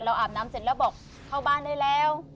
อาบน้ำเสร็จแล้วบอกเข้าบ้านได้แล้ว